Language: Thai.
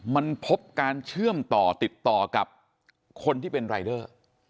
มันพบการเชื่อมต่อติดต่อกับคนที่เป็นรายเดอร์